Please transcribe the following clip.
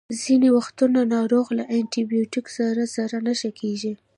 ځینې وختونه ناروغ له انټي بیوټیکو سره سره ښه نه کیږي.